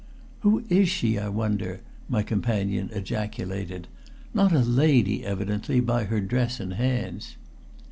"Who is she, I wonder?" my companion ejaculated. "Not a lady, evidently, by her dress and hands."